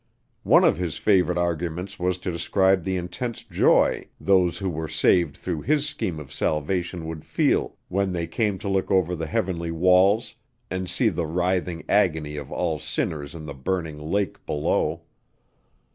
One of his favorite arguments was to describe the intense joy those who were saved through his scheme of salvation would feel when they came to look over the heavenly walls and see the writhing agony of all sinners in the burning lake below.